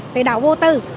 thì đậu vô tư